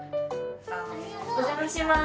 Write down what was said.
お邪魔します。